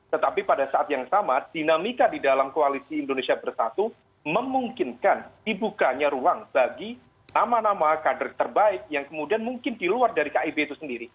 tetapi pada saat yang sama dinamika di dalam koalisi indonesia bersatu memungkinkan dibukanya ruang bagi nama nama kader terbaik yang kemudian mungkin di luar dari kib itu sendiri